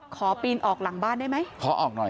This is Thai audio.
ขอปีนออกหลังบ้านได้ไหม